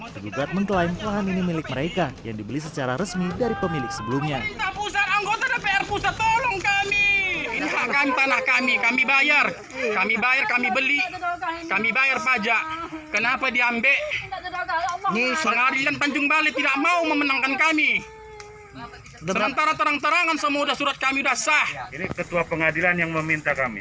tergugat mengklaim lahan ini milik mereka yang dibeli secara resmi dari pemilik sebelumnya